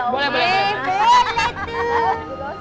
boleh ya omah